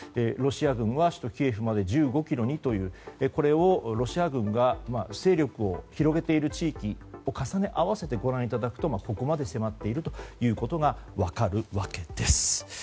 ロシア軍は首都キエフまで１５ｋｍにというこれをロシア軍が勢力を広げている地域を重ね合わせてご覧いただくとここまで迫っているのが分かるわけです。